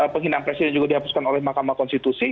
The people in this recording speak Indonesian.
pengenalan presiden juga dihapuskan oleh makamah konstitusi